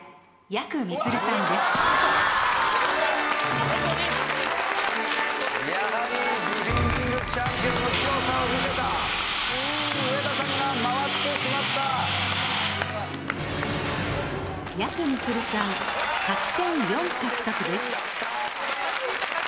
やくみつるさん勝ち点４獲得です。